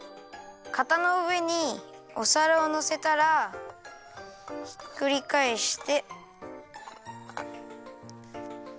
かたのうえにおさらをのせたらひっくりかえして。